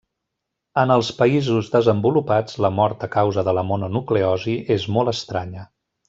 En els països desenvolupats la mort a causa de la mononucleosi és molt estranya.